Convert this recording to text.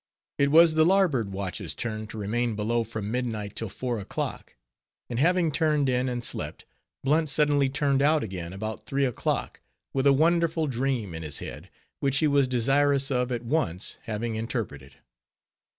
It was the larboard watch's turn to remain below from midnight till four o'clock; and having turned in and slept, Blunt suddenly turned out again about three o'clock, with a wonderful dream in his head; which he was desirous of at once having interpreted.